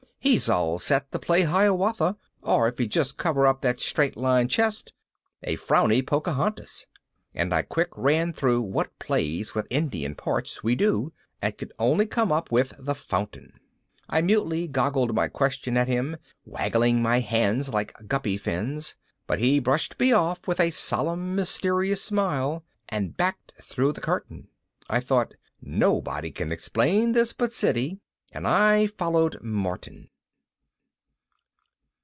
he's all set to play Hiawatha, or if he'd just cover up that straight line chest, a frowny Pocahontas._ And I quick ran through what plays with Indian parts we do and could only come up with The Fountain. I mutely goggled my question at him, wiggling my hands like guppy fins, but he brushed me off with a solemn mysterious smile and backed through the curtain. I thought, nobody can explain this but Siddy, and I followed Martin.